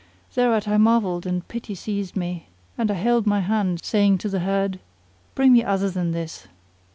Thereat I marvelled and pity seized me and I held my hand, saying to the herd, "Bring me other than this."